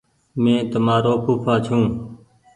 مينٚ تمآرو ڦوڦآ ڇوٚنٚ